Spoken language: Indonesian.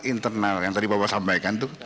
internal yang tadi bapak sampaikan itu